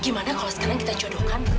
gimana kalau sekarang kita jodohkan